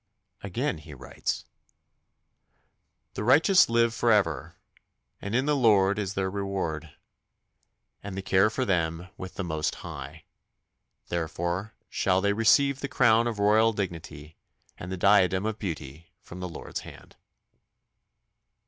Again he writes: The righteous live for ever, And in the Lord is their reward, And the care for them with the Most High. Therefore shall they receive the crown of royal dignity And the diadem of beauty from the Lord's hand.